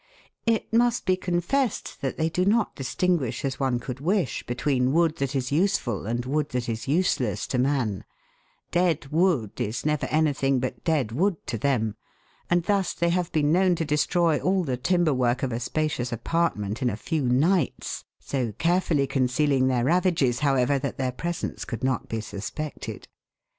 It must be confessed that they do not dis tinguish as one could wish between wood that is useful and wood that is useless to man ; dead wood is never anything but dead wood to them, and thus they have been known to destroy all the timber work of a spacious apart ment in a few nights, so carefully concealing their ravages, however, that their presence could not be suspected.